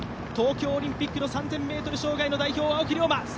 東京オリンピックの３０００ｍ障害の代表・青木涼真。